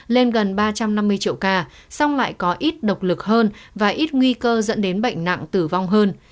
lên gần ba trăm năm mươi triệu ca song lại có ít độc lực hơn và ít nguy cơ dẫn đến bệnh nặng tử vong hơn